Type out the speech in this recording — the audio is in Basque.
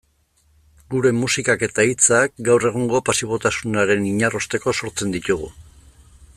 Gure musikak eta hitzak gaur egungo pasibotasunaren inarrosteko sortzen ditugu.